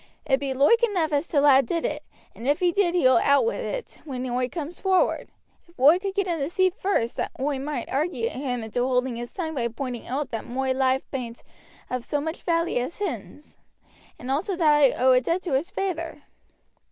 It be loike enough as t' lad did it, and if he did he will out wi' it when oi cooms forward. If oi could get to see him first oi moight argue him into holding his tongue by pointing owt that moi loife bain't of so much valley as hissen, also that I owe a debt to his feyther."